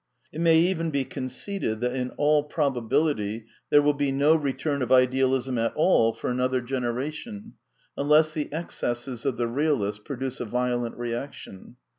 It may even be conceded that in all probability there will be no return of Idealism at all for another gener ation, unless the excesses of the realists produce a violent reaction.